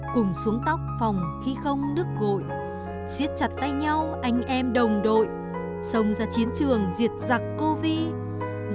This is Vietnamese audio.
cùng xuống tóc phòng khi không nước gội xiết chặt tay nhau anh em đồng đội xông ra chiến trường diệt giặc covid